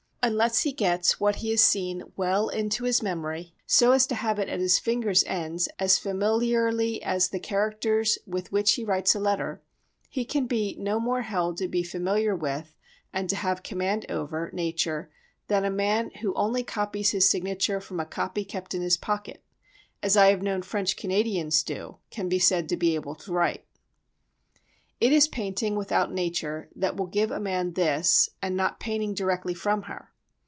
Unless he gets what he has seen well into his memory, so as to have it at his fingers' ends as familiarly as the characters with which he writes a letter, he can be no more held to be familiar with, and to have command over, nature than a man who only copies his signature from a copy kept in his pocket, as I have known French Canadians do, can be said to be able to write. It is painting without nature that will give a man this, and not painting directly from her.